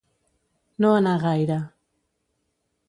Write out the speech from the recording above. No anar gaire.